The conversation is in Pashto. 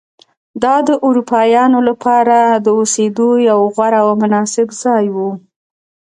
دا د اروپایانو لپاره د اوسېدو یو غوره او مناسب ځای و.